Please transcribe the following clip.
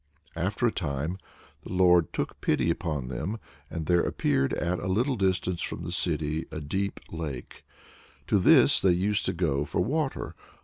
After a time the Lord took pity upon them, and there appeared at a little distance from the city a deep lake. To this they used to go for water.